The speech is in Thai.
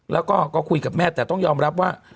แล้วก็คุยกับแม่แต่ต้องยอมรับว่า